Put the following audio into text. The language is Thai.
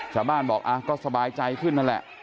ชาวบ้านบอกก็สบายใจขึ้นนั่นแหละ